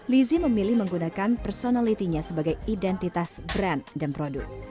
dan menggunakan personality nya sebagai identitas brand dan produk